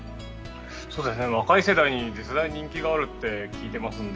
若い世代に絶大な人気があるって聞いてますので。